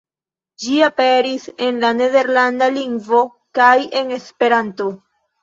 Ĝi aperis en nederlanda lingvo kaj en Esperanto.